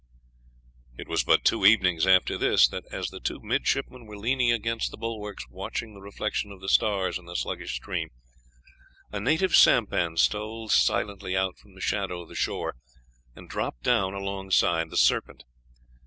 It was but two evenings after this that, as the two midshipmen were leaning against the bulwarks, watching the reflection of the stars in the sluggish stream, a native sampan stole silently out from the shadow of the shore and dropped down alongside the Serpent.